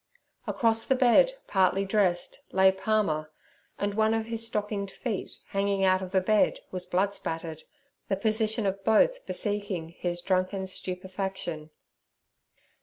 Across the bed, partly dressed, lay Palmer, and one of his stockinged feet hanging out of the bed was blood spattered—the position of both bespeaking his drunken stupefaction.